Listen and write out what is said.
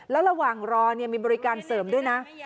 แล้วระหว่างรอมีบริการเสริมด้วยนะ